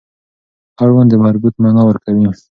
اړوند د مربوط معنا ورکوي.